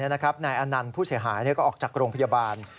นายอนันต์ผู้เสียหายก็ออกจากโรงพยาบาล